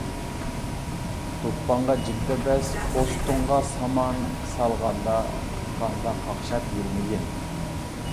دوپپاڭغا جىگدە بەس پوستۇڭغا سامان، سالغاندا، تىققاندا قاقشاپ يۈرمىگىن.